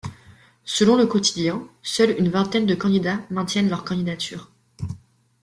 Selon Le Quotidien, seule une vingtaine de candidats maintiennent leurs candidatures.